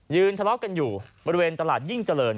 ทะเลาะกันอยู่บริเวณตลาดยิ่งเจริญ